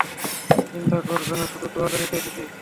চিন্তা করবে না, শুধু তোয়ালে নিতে এসেছি।